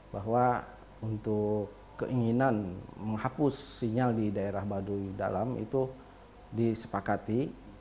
bahwa untuk keinginan menghapus sinyal di daerah baduy dalam itu disepakati